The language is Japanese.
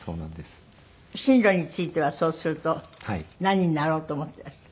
進路についてはそうすると何になろうと思っていらした？